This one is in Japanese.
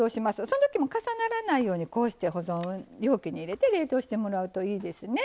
その時も重ならないようにこうして保存容器に入れて冷凍してもらうといいですね。